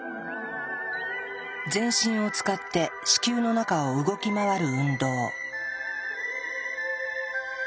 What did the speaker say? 全身を使って子宮の中を動き回る運動。